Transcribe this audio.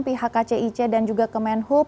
pihak kcic dan juga kement hub